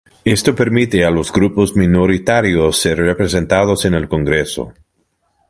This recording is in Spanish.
Esto permite a los grupos minoritarios ser representados en el Congreso.